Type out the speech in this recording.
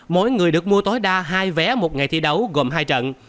mỗi người được mua tối đa hai vé một ngày thi đấu gồm hai trận